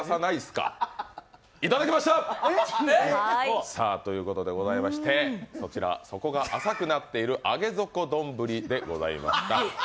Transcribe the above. いただきました！ということでございましてそちら、底が浅くなっている上げ底どんぶりでございました。